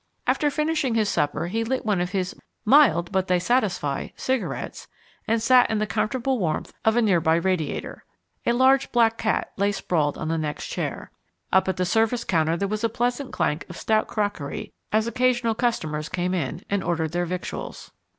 After finishing his supper he lit one of his "mild but they satisfy" cigarettes and sat in the comfortable warmth of a near by radiator. A large black cat lay sprawled on the next chair. Up at the service counter there was a pleasant clank of stout crockery as occasional customers came in and ordered their victuals.